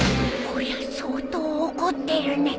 こりゃ相当怒ってるね。